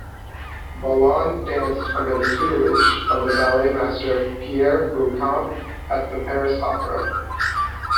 Balon danced under the tutelage of the balletmaster Pierre Beauchamp at the Paris Opera.